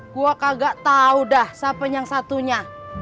gua kagak tau dah siapa yang satunya